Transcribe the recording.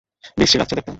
বিশ্রী লাগছে দেখতে।